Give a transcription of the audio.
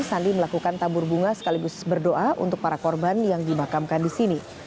sandi melakukan tabur bunga sekaligus berdoa untuk para korban yang dimakamkan di sini